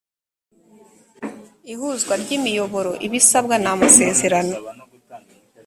ihuzwa ry imiyoboro ibisabwa n amasezerano